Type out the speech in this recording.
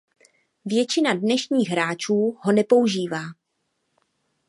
Většina dnešních hráčů ho nepoužívá.